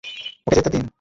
ওকে যেতে দিন।